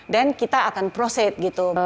dan kita akan proceed gitu